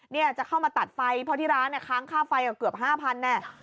เนี่ยจะเข้ามาตัดไฟเพราะที่ร้านเนี่ยค้างค่าไฟเกือบ๕๐๐แน่